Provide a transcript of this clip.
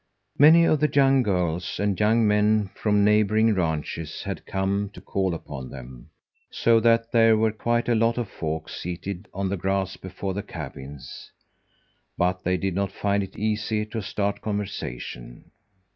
Many of the young girls and young men from neighbouring ranches had come to call upon them, so that there were quite a lot of folk seated on the grass before the cabins, but they did not find it easy to start conversation.